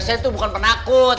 saya tuh bukan penakut